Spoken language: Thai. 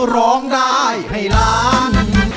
ร้องได้ให้ล้าน